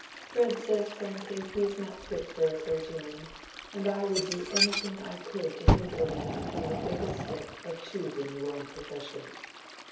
Fred says frankly he is not fit for a clergyman, and I would do anything I could to hinder a man from the fatal step of choosing the wrong profession.